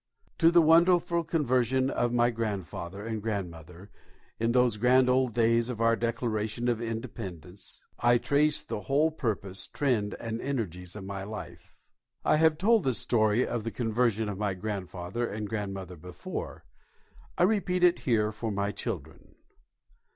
To the wonderful conversion of my grandfather and grandmother, in those grand old days of our declaration of independence, I trace the whole purpose, trend, and energies of my life. I have told the story of the conversion of my grandfather and grandmother before. I repeat it here, for my children.